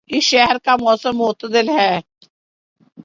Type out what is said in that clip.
اس شہر کا موسم معتدل ہے